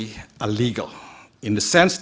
tidak legal dalam arti